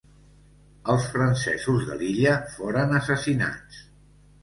Els francesos de l'illa foren assassinats.